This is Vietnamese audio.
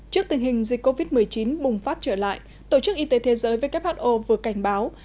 trước tình hình dịch covid một mươi chín bùng phát trở lại tổ chức y tế thế giới who vừa cảnh báo